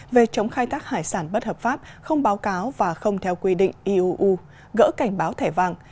về chống khai thác hải sản bất hợp pháp không báo cáo và không theo quy định iuu gỡ cảnh báo thẻ vàng